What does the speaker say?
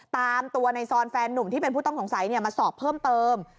ตามตัวในซอนแฟนหนุ่มที่เป็นผู้ต้องสงสัยมาสอบเพิ่มเติม